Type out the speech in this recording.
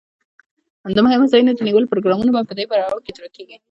د مهمو ځایونو د نیولو پروګرامونه په دې پړاو کې اجرا کیږي.